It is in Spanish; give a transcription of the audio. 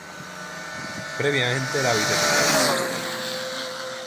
Previamente era viceprimer ministro.